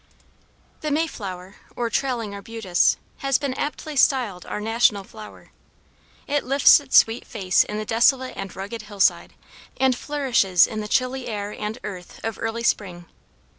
The May flower, or trailing arbutus, has been aptly styled our national flower. It lifts its sweet face in the desolate and rugged hillside, and flourishes in the chilly air and earth of early spring.